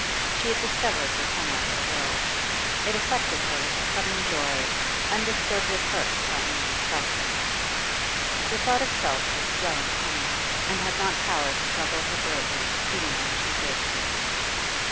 She had discovered the tenor of the will; it affected her with a sudden joy, undisturbed at first by any reflection. The thought of self was slow in coming, and had not power to trouble her greatly even when she faced it.